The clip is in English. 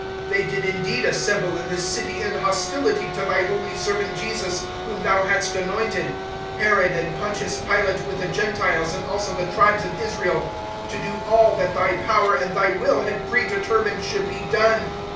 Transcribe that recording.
'" 004:027 "They did indeed assemble in this city in hostility to Thy holy Servant Jesus whom Thou hadst anointed Herod and Pontius Pilate with the Gentiles and also the tribes of Israel 004:028 to do all that Thy power and Thy will had predetermined should be done.